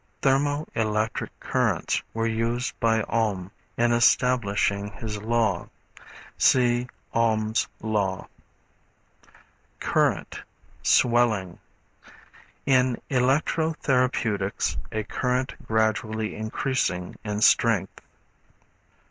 Thermo electric currents were used by Ohm in establishing his law. (See Ohm's Law.) Current, Swelling. In electro therapeutics, a current gradually increasing in strength.